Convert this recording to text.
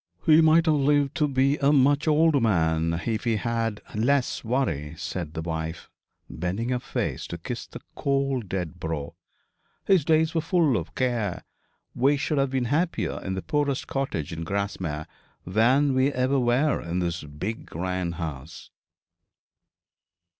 'He might have lived to be a much older man if he had had less worry,' said the wife, bending her face to kiss the cold dead brow. 'His days were full of care. We should have been happier in the poorest cottage in Grasmere than we ever were in this big grand house.'